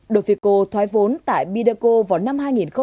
dofico thoái vốn tại bidaco vào năm hai nghìn một mươi năm